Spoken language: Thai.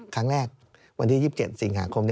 ครั้งแรกวันที่๒๗สิงหาคม